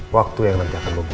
waktu yang nanti akan logis